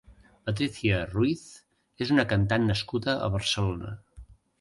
Patrizia Ruiz és una cantant nascuda a Barcelona.